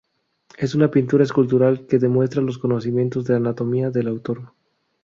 Es una pintura escultural que demuestra los conocimientos de anatomía del autor.